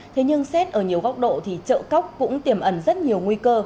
thế nhưng xét ở nhiều góc độ thì chợ cóc cũng tiềm ẩn rất nhiều nguy cơ